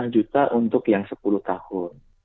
delapan belas lima juta untuk yang sepuluh tahun